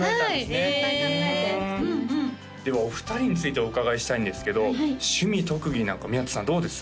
はいいっぱい考えて作りましたではお二人についてお伺いしたいんですけど趣味特技なんか宮田さんどうです？